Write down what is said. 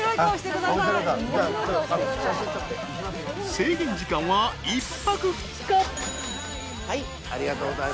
［制限時間は１泊２日］